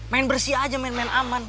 main bersih aja main main aman